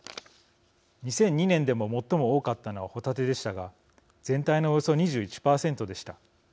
２００２年でも最も多かったのはホタテでしたが全体のおよそ２１％でした。